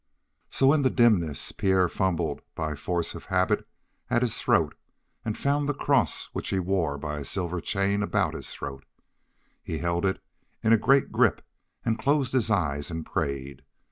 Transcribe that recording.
So in the dimness Pierre fumbled, by force of habit, at his throat, and found the cross which he wore by a silver chain about his throat. He held it in a great grip and closed his eyes and prayed.